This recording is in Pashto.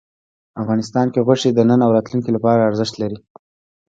افغانستان کې غوښې د نن او راتلونکي لپاره ارزښت لري.